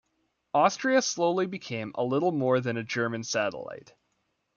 Austria slowly became a little more than a German satellite.